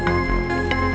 aku mau ke sana